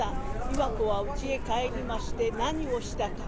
岩子はうちへ帰りまして何をしたか。